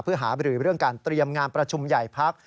เพื่อหาบรือเรื่องการเตรียมงานประชุมใหญ่พัก